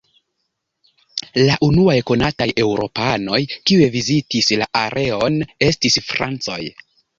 La unuaj konataj eŭropanoj kiuj vizitis la areon estis francoj.